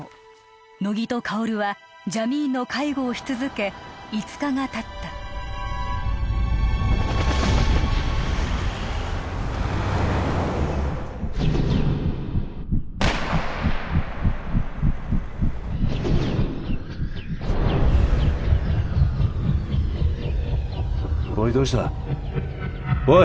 乃木と薫はジャミーンの介護をし続け５日がたったおいどうした？おい！